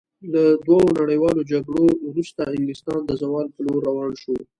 له دوو نړیوالو جګړو وروسته انګلستان د زوال په لور روان شو.